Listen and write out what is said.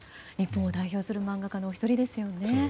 日本を代表する漫画家のお一人ですよね。